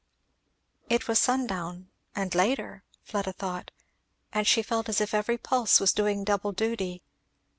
It was sundown, and later, Fleda thought, and she felt as if every pulse was doing double duty.